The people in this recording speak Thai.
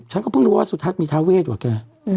ฉันก็เพิ่งรู้ว่าสุทัศน์มีทาเวทกว่าแก